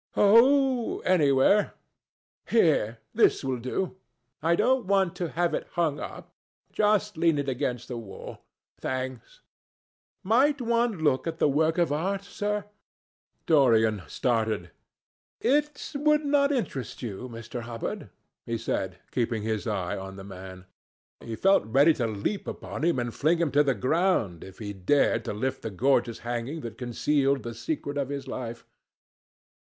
"Oh, anywhere. Here: this will do. I don't want to have it hung up. Just lean it against the wall. Thanks." "Might one look at the work of art, sir?" Dorian started. "It would not interest you, Mr. Hubbard," he said, keeping his eye on the man. He felt ready to leap upon him and fling him to the ground if he dared to lift the gorgeous hanging that concealed the secret of his life.